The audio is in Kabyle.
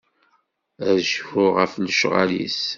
Ad cfuɣ ɣef lecɣal-is.